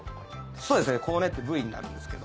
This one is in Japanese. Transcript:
そうですねコウネって部位になるんですけど。